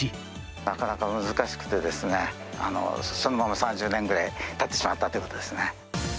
なかなか難しくて、そのまま３０年ぐらいたってしまったということですね。